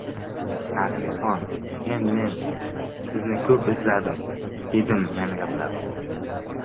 — Nargisxon... Men... men sizni ko‘p izladim,— dedim ming‘illab.